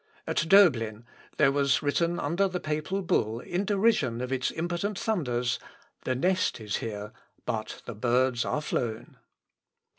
At Doeblin, there was written under the Papal bull, in derision of its impotent thunders, "The nest is here, but the birds are flown."